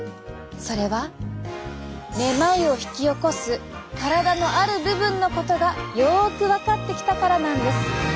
それはめまいを引き起こす体のある部分のことがよく分かってきたからなんです。